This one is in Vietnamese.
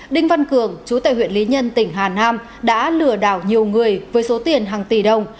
đinh văn cường chú tại huyện lý nhân tỉnh hà nam đã lừa đảo nhiều người với số tiền hàng tỷ đồng